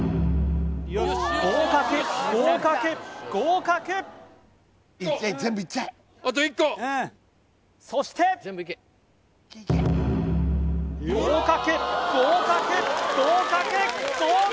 合格合格合格そして合格合格合格合格！